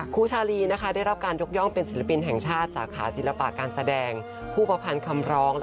ครูชาลีได้รับการยกย่องเป็นศิลปินแห่งชาติสาขาศิลปะการแสดงผู้ประพันธ์คำร้อง